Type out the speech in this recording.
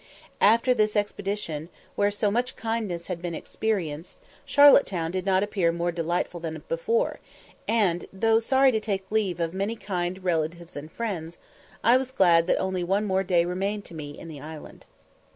After this expedition, where so much kindness had been experienced, Charlotte Town did not appear more delightful than before, and, though sorry to take leave of many kind relatives and friends, I was glad that only one more day remained to me in the island.